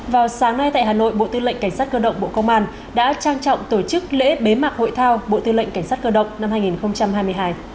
vào sáng nay tại hà nội bộ tư lệnh cảnh sát cơ động bộ công an đã trang trọng tổ chức lễ bế mạc hội thao bộ tư lệnh cảnh sát cơ động năm hai nghìn hai mươi hai